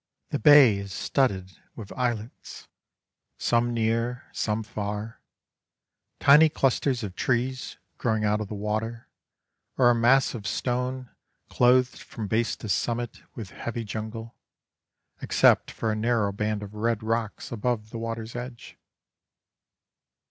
The bay is studded with islets, some near, some far, tiny clusters of trees growing out of the water, or a mass of stone, clothed from base to summit with heavy jungle, except for a narrow band of red rocks above the water's edge.